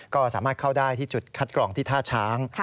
ก็สามารถเข้าได้ที่จุดคัดกรองที่ท่าช้าง